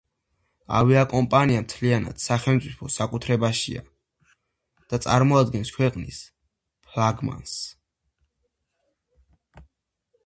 ავიაკომპანია მთლიანად სახელმწიფოს საკუთრებაშია და წარმოადგენს ქვეყნის ფლაგმანს.